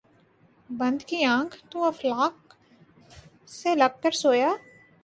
بند کی آنکھ ، تو افلاک سے لگ کر سویا